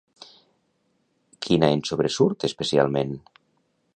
Quina en sobresurt especialment?